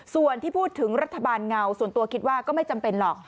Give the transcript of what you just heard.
ส่วนที่พูดถึงรัฐบาลเงาส่วนตัวคิดว่าก็ไม่จำเป็นหรอก